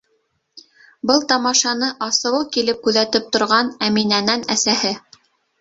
Был тамашаны асыуы килеп күҙәтеп торған Әминәнән әсәһе: